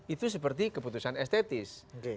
itu seperti keputusan estetis